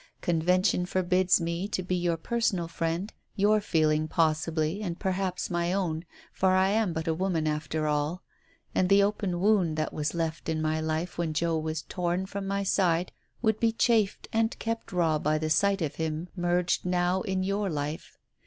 Convention forbids me to be your personal friend, your feeling possibly, and perhaps my own, for I am but a woman after all, and the open wound that was left in my life when Joe was torn from my side would be chafed and kept raw by the sight of him merged now in your life.